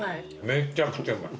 めちゃくちゃうまい。